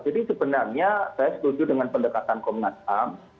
jadi sebenarnya saya setuju dengan pendekatan komnas ham